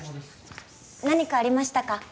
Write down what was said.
何かありましたか？